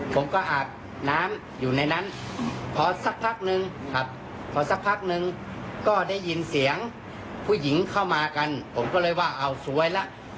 ผู้หญิงเข้ามากันผมก็เลยว่าเอ้าสวยแล้ว